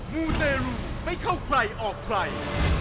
มูเตรลูไม่เข้าใครออกใคร